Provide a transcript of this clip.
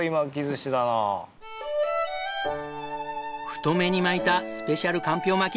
太めに巻いたスペシャルかんぴょう巻。